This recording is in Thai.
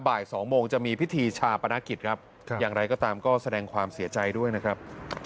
บ่าย๒โมงจะมีพิธีชาปนกิจครับอย่างไรก็ตามก็แสดงความเสียใจด้วยนะครับ